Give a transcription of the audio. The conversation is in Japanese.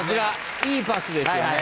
いいパスですよね。